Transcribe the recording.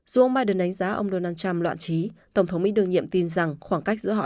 dù ông biden đánh giá ông donald trump loạn trí tổng thống mỹ đương nhiệm tin rằng khoảng cách giữa họ